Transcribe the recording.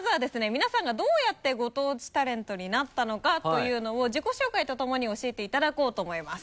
皆さんがどうやってご当地タレントになったのかというのを自己紹介とともに教えていただこうと思います。